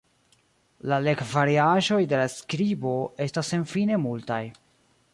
La legvariaĵoj de la skribo estas senfine multaj.